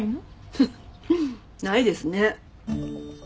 フフッないですね。